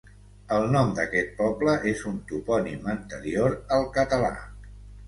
El nom d'aquest poble és un topònim anterior al català.